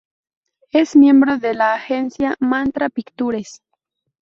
Es miembro de la agencia "Mantra Pictures".